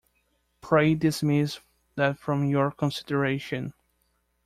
Pray dismiss that from your consideration.